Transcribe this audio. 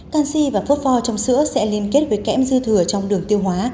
canxi và phốt pho trong sữa sẽ liên kết với kém dư thừa trong đường tiêu hóa